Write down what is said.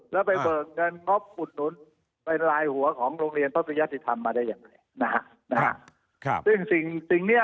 แล้วไปเบิร์งเงินอุดหนุนเป็นลายหัวของโรงเรียนพระธุริยศศิธรรมมาได้อย่างไร